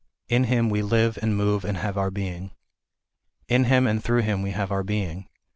In Him we live and move and have our being." In Him and through Him we have our being.